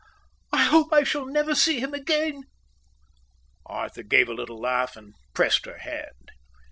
I hope I shall never see him again." Arthur gave a little laugh and pressed her hand.